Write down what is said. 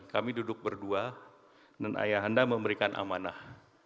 kami duduk berdua dan ayahanda memberikan amanah